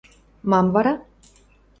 Мам вара?